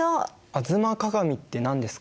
「吾妻鏡」って何ですか？